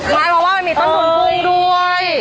หมายความว่ามันมีต้นทุนกุ้งด้วย